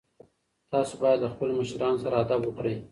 تاسو باید له خپلو مشرانو سره ادب وکړئ.